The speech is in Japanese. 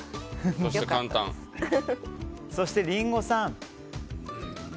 そして、リンゴさん。